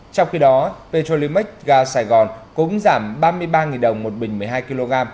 trong khi đó petro limit ga saigon cũng giảm ba mươi ba đồng một bình một mươi hai kg